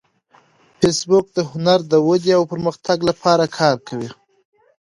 فېسبوک د هنر د ودې او پرمختګ لپاره کار کوي